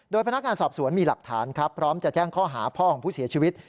พนักงานสอบสวนมีหลักฐานครับพร้อมจะแจ้งข้อหาพ่อของผู้เสียชีวิต